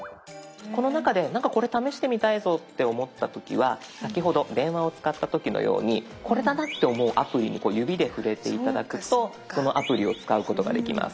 この中でなんかこれ試してみたいぞって思った時は先ほど電話を使った時のようにこれだなって思うアプリに指で触れて頂くとそのアプリを使うことができます。